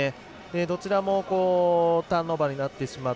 どちらもターンオーバーになってしまう。